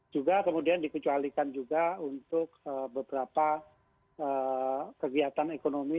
juga kemudian dikecualikan juga untuk beberapa kegiatan ekonomi